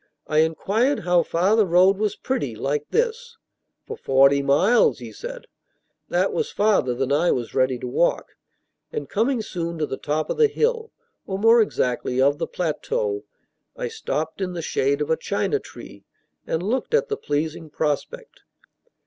I inquired how far the road was pretty, like this. "For forty miles," he said. That was farther than I was ready to walk, and coming soon to the top of the hill, or, more exactly, of the plateau, I stopped in the shade of a china tree, and looked at the pleasing prospect.